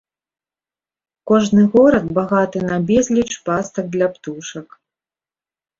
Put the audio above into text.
Кожны горад багаты на безліч пастак для птушак.